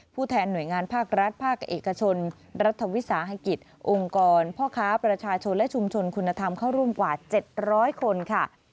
แทนหน่วยงานภาครัฐภาคเอกชนรัฐวิสาหกิจองค์กรพ่อค้าประชาชนและชุมชนคุณธรรมเข้าร่วมกว่า๗๐๐คนค่ะ